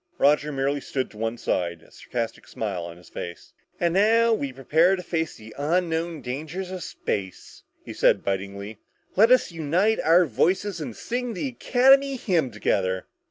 Roger merely stood to one side, a sarcastic smile on his face. "And now, as we prepare to face the unknown dangers of space," he said bitingly, "let us unite our voices and sing the Academy hymn together!